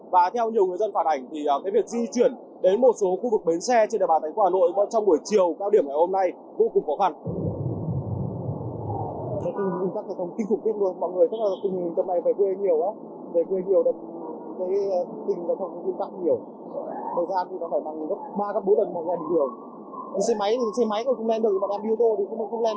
và theo nhiều người dân phản ảnh thì việc di chuyển đến một số khu vực bến xe trên đài bàn thành phố hà nội trong buổi chiều cao điểm ngày hôm nay vô cùng khó khăn